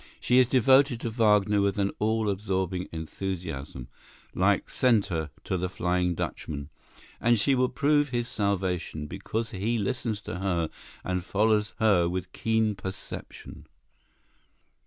She is devoted to Wagner with an all absorbing enthusiasm, like Senta to the Flying Dutchman—and she will prove his salvation, because he listens to her and follows her with keen perception."